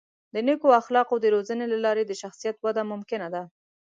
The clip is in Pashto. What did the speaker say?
د نیکو اخلاقو د روزنې له لارې د شخصیت وده ممکنه ده.